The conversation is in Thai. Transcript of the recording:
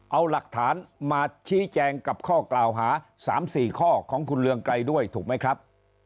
เอาหลักฐานมาชี้แจงกับข้อกล่าวหา๓๔ข้อของคุณเรืองไกรด้วยถูกไหมครับ